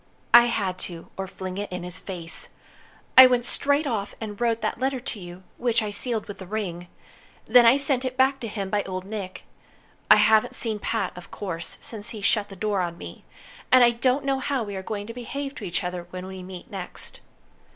"I had to, or fling it in his face. I went straight off and wrote that letter to you, which I sealed with the ring. Then I sent it back to him by Old Nick. I haven't seen Pat, of course, since he shut the door on me. And I don't know how we are going to behave to each other when we meet next."